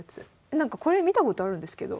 なんかこれ見たことあるんですけど。